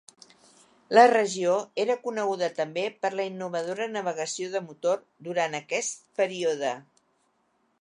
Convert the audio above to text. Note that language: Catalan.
La regió era coneguda també per la innovadora navegació de motor durant aquest període.